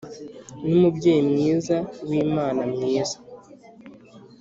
ni umubyeyi mwiza wimana mwiza